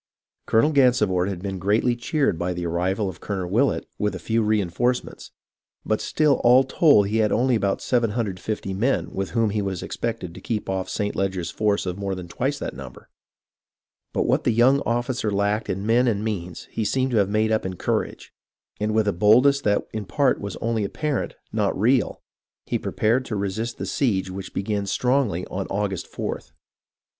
Colonel Gansevoort had been greatly cheered by the 194 HISTORY OF THE AMERICAN REVOLUTION arrival of Colonel Willett with a few reenforcements, but still all told he had only about 750 men with whom he was expected to keep off St. Leger's force of more than twice that number ; but what the young officer lacked in men and means he seemed to have made up in courage, and with a boldness that in part was only apparent, not real, he prepared to resist the siege which began strongly on August 4th.